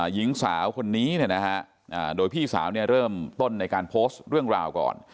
หญิงสาวคนนี้โดยพี่สาวเริ่มต้นในการโพสต์เรื่องราวก่อน